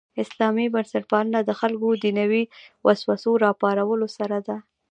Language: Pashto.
اسلامي بنسټپالنه د خلکو دنیوي وسوسو راپارولو سره ده.